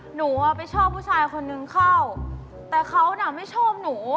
หนูไปชอบคนหนึ่งเขาค่ะพี่บอล